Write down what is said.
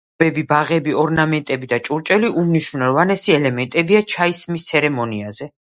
შენობები, ბაღები, ორნამენტები და ჭურჭელი უმნიშვნელოვანესი ელემენტებია ჩაის სმის ცერემონიაში.